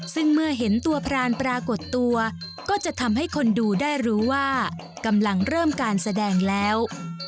ซึ่งเมื่อเห็นตัวพรานปรากฏตัวก็จะทำให้คนดูได้รู้ว่ากำลังเริ่มการแสดงแล้ว